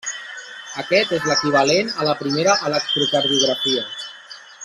Aquest és l’equivalent a la primera electrocardiografia.